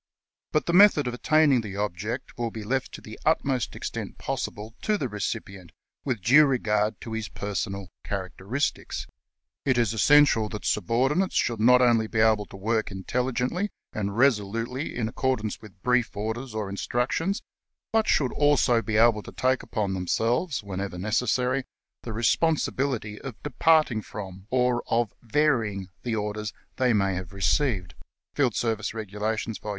But the method of attaining the object will be left to the utmost extent possible to the recipient, with due regard to his personal characteristics. " It is essential that subordinates should not only be able to work intelli gently and resolutely in accordance with brief orders or instructions, but should also be able to take upon themselves, whenever necessary, the responsibility of departing from, or of varying, the orders they may have received "(" Field Service Regulations," vol.